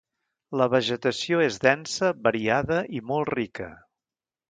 La vegetació és densa, variada i molt rica.